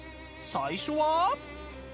最初は？